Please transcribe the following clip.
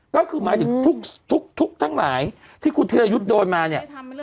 ก็คือหมายถึงทุกทั้งหลายที่คุณธีรยุทธ์โดนมาเนี่ย